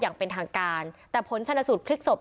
อย่างเป็นทางการแต่ผลชนสูตรพลิกศพ